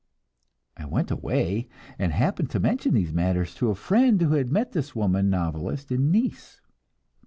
I went away, and happened to mention these matters to a friend, who had met this woman novelist in Nice.